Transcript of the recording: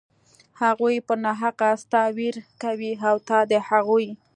هغوى پر ناحقه ستا وير کوي او ته د هغوى.